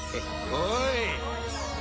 おい！